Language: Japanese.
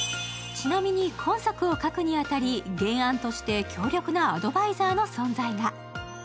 ちなみに、今作を書くに当たり、原案として強力なアドバイザーの存在が。